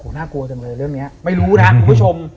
น่ากลัวจังเลยเรื่องนี้ไม่รู้นะคุณผู้ชม